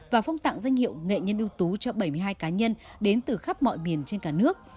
và phong tặng danh hiệu nghệ nhân ưu tú cho bảy mươi hai cá nhân đến từ khắp mọi miền trên cả nước